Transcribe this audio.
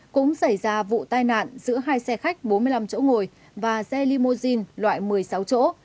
cũng xảy ra vụ tai nạn giữa hai xe khách bốn mươi năm chỗ ngồi và xe limousine loại một mươi sáu chỗ